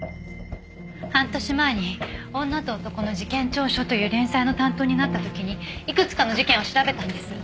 半年前に「女と男の事件調書」という連載の担当になった時にいくつかの事件を調べたんです。